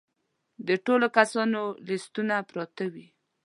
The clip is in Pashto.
د ټولو کسانو لیستونه پراته وي.